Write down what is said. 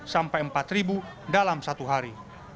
sampai empat dalam satu hari